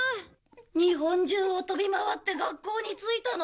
日本中を飛び回って学校に着いたのがお昼頃。